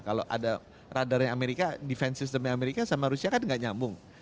kalau ada radarnya amerika defense systemnya amerika sama rusia kan nggak nyambung